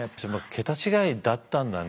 桁違いだったんだね。